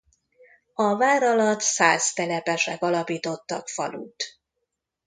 A vár alatt szász telepesek alapítottak falut.